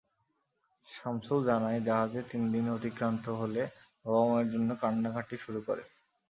শামসুল জানায়, জাহাজে তিন দিন অতিক্রান্ত হলে বাবা-মায়ের জন্য কান্নাকাটি শুরু করে।